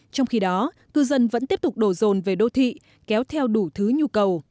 trong khi đó cư dân vẫn tiếp tục đổ rồn về đô thị kéo theo đủ thứ nhu cầu